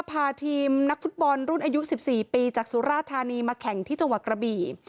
พาทีมนักฟุตบอลรุ่นอายุ๑๔ปีจากสุราธานีมาแข่งที่จังหวัดกระบี่